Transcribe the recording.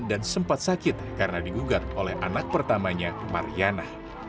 dan sempat sakit karena digugat oleh anak pertamanya mariana